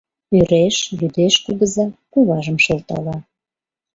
Ӧреш, лӱдеш кугыза, куважым шылтала: